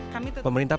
kami tetap berjuang